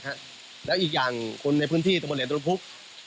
ฮะแล้วอีกอย่างคนในพื้นที่ตระบวนเหลี่ยนตรงภูกษ์